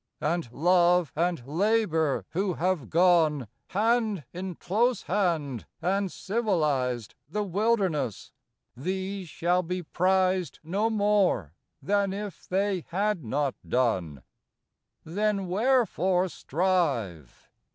And love and labor, who have gone, Hand in close hand, and civilized The wilderness, these shall be prized No more than if they had not done. Then wherefore strive?